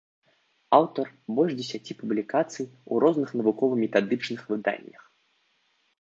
Аўтар больш дзесяці публікацый у розных навукова-метадычных выданнях.